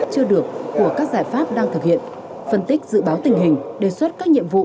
chưa được của các giải pháp đang thực hiện phân tích dự báo tình hình đề xuất các nhiệm vụ